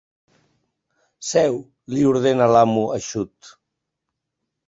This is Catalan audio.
Seu —li ordena l'amo, eixut.